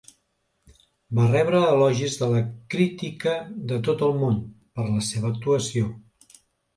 Va rebre elogis de la crítica de tot el món per la seva actuació.